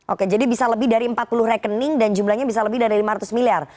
oke jadi bisa lebih dari empat puluh rekening dan jumlahnya bisa lebih dari lima ratus miliar